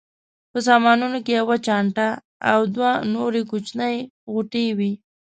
په سامانونو کې یوه چانټه او دوه نورې کوچنۍ غوټې وې.